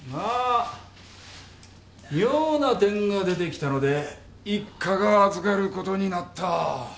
が妙な点が出てきたので一課が預かることになった。